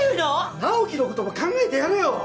直木のことも考えてやれよ